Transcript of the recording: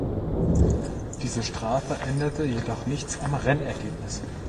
Diese Strafe änderte jedoch nichts am Rennergebnis.